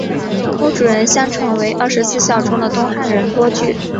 墓主人相传为二十四孝中的东汉人郭巨。